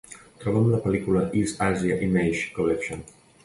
Troba'm la pel.lícula East Asia Image Collection.